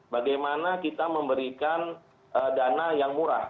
bagaimana kita memberikan dana yang murah